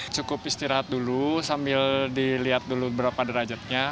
cukup istirahat dulu sambil dilihat dulu berapa derajatnya